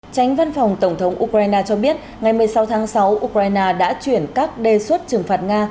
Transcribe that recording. tránh văn phòng tổng thống ukraine cho biết ngày một mươi sáu tháng sáu ukraine đã chuyển các đề xuất trừng phạt nga